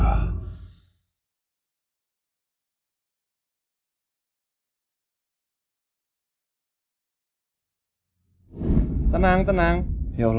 jadi tidak boleh lagi mencerobohkan iraq